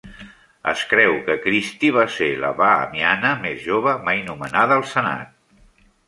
Es creu que Christie va ser la bahamiana més jove mai nomenada al senat.